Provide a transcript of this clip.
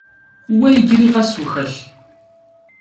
Vue yicıri khes vuxelh?